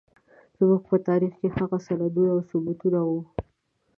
زموږ په تاريخ کې هغه سندونه او ثبوتونه وي.